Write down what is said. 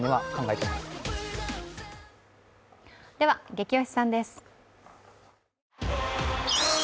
「ゲキ推しさん」です。